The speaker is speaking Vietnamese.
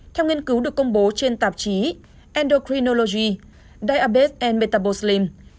theo nghiên cứu được công bố trên tạp chí endocrinology diabetes and metabolism